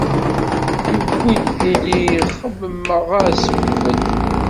Yewwi-d tili xemmemeɣ-as uqbel.